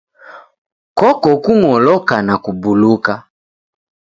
Koko kung'oloka na kubuluka.